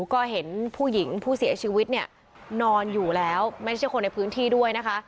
ก็เห็นผู้หญิงผู้เสียชีวิตเนี่ยนอนอยู่แล้วไม่ใช่คนในพื้นที่ด้วยนะคะ